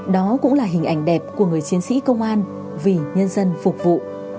đó cũng là hình ảnh đẹp của người chiến sĩ công an vì nhân dân phục vụ